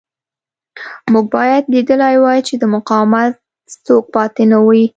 موږ باید لیدلی وای چې د مقاومت څوک پاتې نه وي